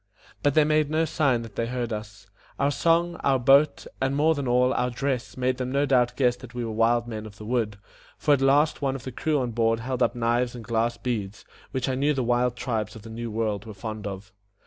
But they made no sign that they heard us. Our song, our boat, and, more than all, our dress, made them no doubt guess that we were wild men of the wood; for at last one of the crew on board held up knives and glass beads, which I knew the wild tribes of the New World were fond of.